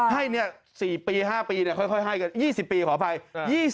ให้๔ปี๕ปีค่อยให้กัน๒๐ปีขออภัย